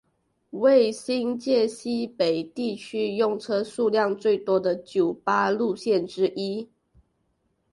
为新界西北地区用车数量最多的九巴路线之一。